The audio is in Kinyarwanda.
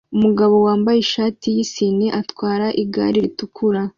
Umugabo wambaye ishati yisine atwara igare ritukura